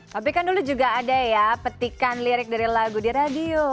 tapi kan dulu juga ada ya petikan lirik dari lagu di radio